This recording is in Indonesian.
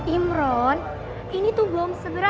imron ini tuh belum segera